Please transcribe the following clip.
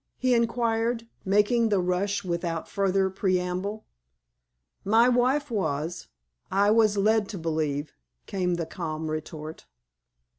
he inquired, making the rush without further preamble. "My wife was, I was led to believe," came the calm retort.